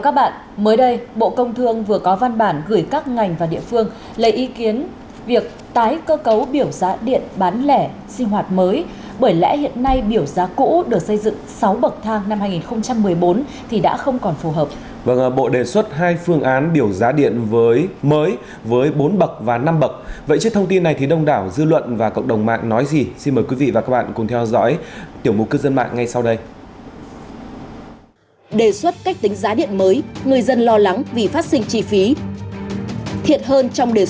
các bạn hãy đăng ký kênh để ủng hộ kênh của chúng mình nhé